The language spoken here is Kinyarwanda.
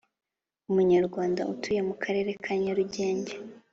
umunyarwanda utuye mu karere ka Nyarugenge